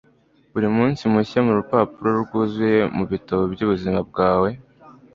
buri munsi mushya ni urupapuro rwuzuye mubitabo byubuzima bwawe